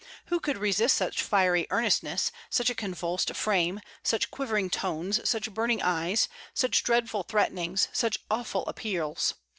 Who could resist such fiery earnestness, such a convulsed frame, such quivering tones, such burning eyes, such dreadful threatenings, such awful appeals?